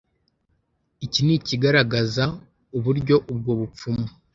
Iki nikigaragaza uburyo ubwo bupfumu